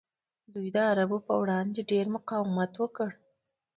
دوی د عربو پر وړاندې ډیر مقاومت وکړ